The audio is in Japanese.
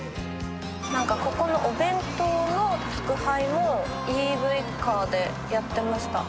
何かここのお弁当の宅配をＥＶカーでやってました。